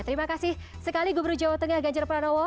terima kasih sekali gubernur jawa tengah ganjar pranowo